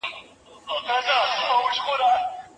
ایا انسانان له زرګونو کلونو راهیسې سپک خواړه خوري؟